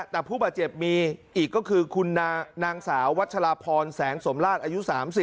แต่ผู้บาดเจ็บมีอีกก็คือคุณนางสาววัชลาพรแสงสมราชอายุ๓๐